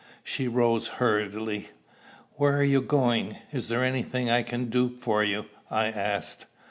She rose hurriedly. "Where are you going? Is there any thing I can do for you?" I asked.